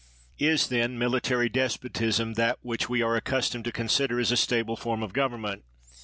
Is, then, military despotism that which we are accustomed to consider as a stable form of gov ernment?